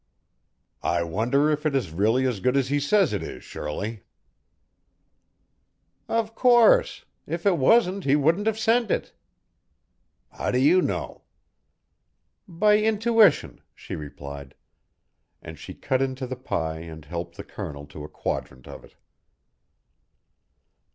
"I wonder if it is really as good as he says it is, Shirley." "Of course. If it wasn't, he wouldn't have sent it." "How do you know?" "By intuition," she replied. And she cut into the pie and helped the Colonel to a quadrant of it.